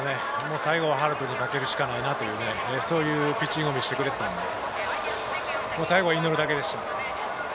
最後は遥人にかけるしかないなというピッチングを見せてくれていたので、最後は祈るだけでした。